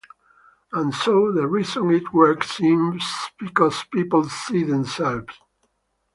And so the reason it works is because people see themselves.